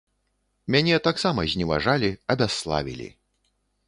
Мяне таксама зневажалі, абясславілі.